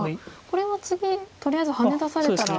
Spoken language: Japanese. これは次とりあえずハネ出されたら。